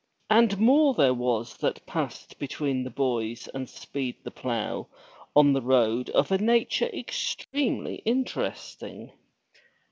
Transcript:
And more there was that passed between the boys and Speed the Plough on the road of a nature extremely interesting.